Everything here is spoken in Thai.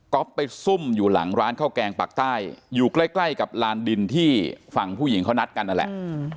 ก็ไปซุ่มอยู่หลังร้านข้าวแกงปากใต้อยู่ใกล้ใกล้กับลานดินที่ฝั่งผู้หญิงเขานัดกันนั่นแหละ